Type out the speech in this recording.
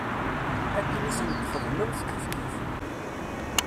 Akken i sent-txedmemt kifkif.